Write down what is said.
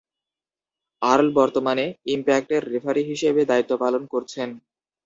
Earl বর্তমানে ইমপ্যাক্টের referee হিসেবে দায়িত্ব পালন করছেন।